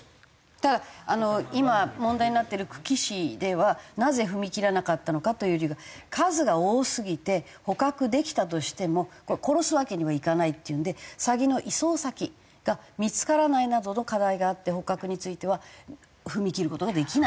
ただ今問題になってる久喜市ではなぜ踏み切らなかったのかという理由が数が多すぎて捕獲できたとしても殺すわけにはいかないっていうんでサギの移送先が見付からないなどの課題があって捕獲については踏み切る事ができないと。